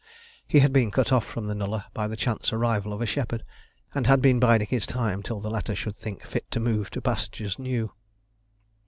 He had been cut off from the nullah by the chance arrival of a shepherd, and had been biding his time till the latter should think fit to move to pastures new.